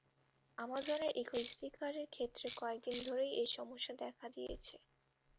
আমাজনের echo স্পিকারের ক্ষেত্রে কয়েক দিন ধরেই এ সমস্যা দেখা দিয়েছে।